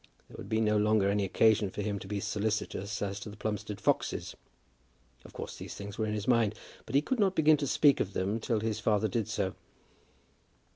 There would be no longer any occasion for him to be solicitous as to the Plumstead foxes. Of course these things were in his mind; but he could not begin to speak of them till his father did so.